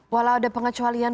walau ada pengecualian